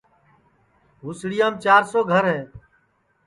ہُوسڑیام چِار سو گھر ہے